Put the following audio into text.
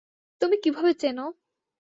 তুমি কীভাবে চেনো?